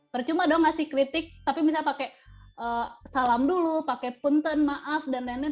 percuma dong ngasih kritik tapi misalnya pakai salam dulu pakai punten maaf dan lain lain